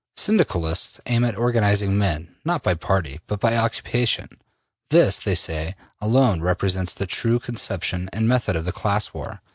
Syndicalists aim at organizing men, not by party, but by occupation. This, they say, alone represents the true conception and method of the class war.